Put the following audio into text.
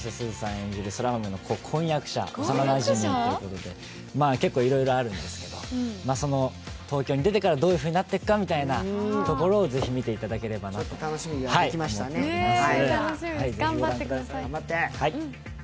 演じる空豆の幼なじみということで、結構いろいろあるんですけど東京に出てから、どういうふうになっていくかをぜひ見ていただければなと思っています。